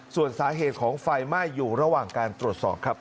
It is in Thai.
ส่วนสาเหตุของไฟไหม้อยู่ระหว่างการตรวจสอบครับ